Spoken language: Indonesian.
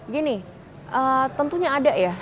gini tentunya ada ya